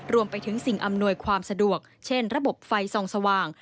รวมไปถึงสิ่งอำนวยความสะดวกเช่นระบบไฟส่องสว่าง